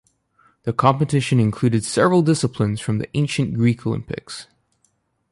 The competition included several disciplines from the ancient Greek Olympics.